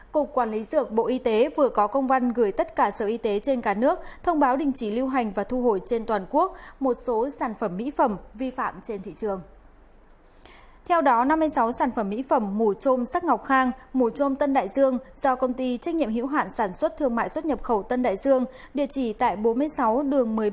cục quản lý dược bộ y tế vừa có công văn gửi tất cả sở y tế trên cả nước thông báo đình chỉ lưu hành và thu hồi trên toàn quốc một số sản phẩm mỹ phẩm vi phạm trên thị trường